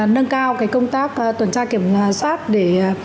nâng cao công tác tuần tra kiểm soát để